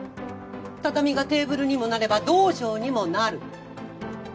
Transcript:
畳がテーブルにもなれば道場にもなる。